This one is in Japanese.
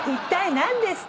何ですか？